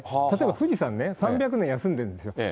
例えば、富士山ね、３００年休んでるんですよ。